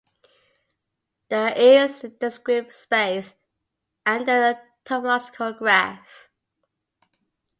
The is a discrete space, and the a topological graph.